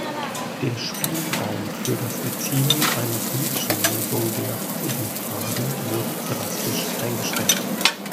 Der Spielraum für das Erzielen einer politischen Lösung der Kurdenfrage wurde drastisch eingeschränkt.